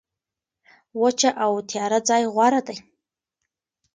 وچه او تیاره ځای غوره دی.